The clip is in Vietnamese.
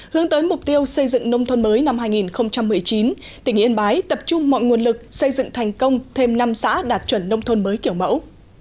hướng tới mục tiêu xây dựng nông thôn mới năm hai nghìn một mươi chín tỉnh yên bái tập trung mọi nguồn lực xây dựng thành công thêm năm xã đạt chuẩn nông thôn mới kiểu mẫu